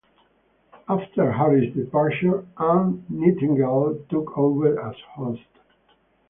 After Harris's departure, Anne Nightingale took over as host.